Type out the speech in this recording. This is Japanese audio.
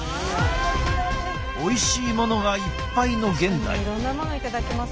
おいしいものがいっぱいの現代。